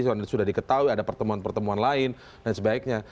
sudah diketahui ada pertemuan pertemuan lain dan sebaiknya